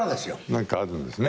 何かあるんですね。